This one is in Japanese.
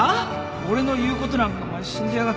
俺の言うことなんかお前信じやがって